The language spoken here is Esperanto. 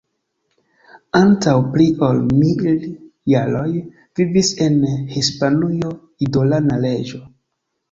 Antaŭ pli ol mil jaroj vivis en Hispanujo idolana reĝo.